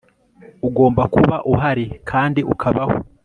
Ugomba kuba uhari kandi ukabaho